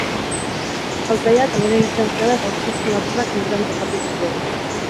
Saltzailea kalera irten zen, eta ustezko lapurrak inguruan topatu zituen.